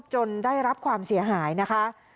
ได้รับความเสียหายนะคะ